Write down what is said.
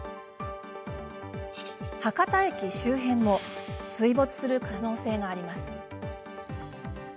博多駅周辺も水没する可能性があります。